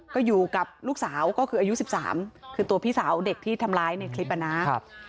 ก็อยู่กับลูกสาวก็คืออายุ๑๓คือตัวพี่สาวเด็กที่ทำร้ายในคลิปนะครับ